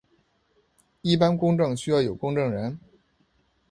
一般公证需要有公证人。